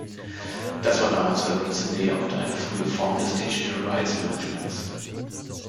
Das war damals revolutionär und eine frühe Form des Digital Rights Managements.